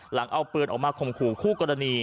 เอาปืนออกมาข่มขู่คู่กรณี